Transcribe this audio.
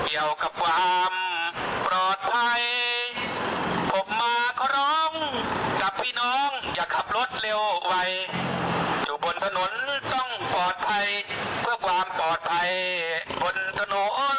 อยู่บนถนนต้องปลอดภัยความปลอดภัยบนถนน